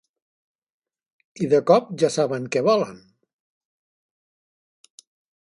I de cop ja saben què volen?